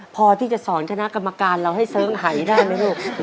พอที่จะสอนคณะกรรมการเราให้เสิร์คหายด้านไป